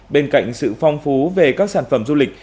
bên cạnh sự phong phú về các sản phẩm du lịch